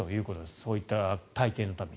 そういった体験のために。